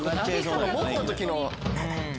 持った時の。